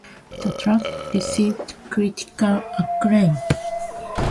The track received critical acclaim.